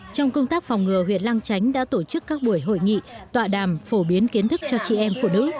trong công tác phòng ngừa huyện lăng chánh đã tổ chức các buổi hội nghị tọa đàm phổ biến kiến thức cho chị em phụ nữ